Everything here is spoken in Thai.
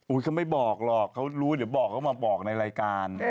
เขาไม่บอกหรอกเขารู้เดี๋ยวบอกเขามาบอกในรายการ